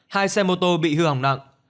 hai xe mô tô bị hư hỏng nặng